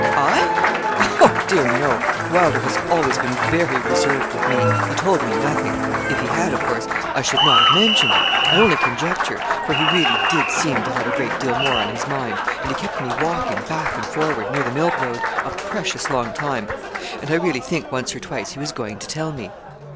'I? Oh, dear, no. Wylder has always been very reserved with me. He told me nothing. If he had, of course I should not have mentioned it. I only conjecture, for he really did seem to have a great deal more on his mind; and he kept me walking back and forward, near the mill road, a precious long time. And I really think once or twice he was going to tell me.'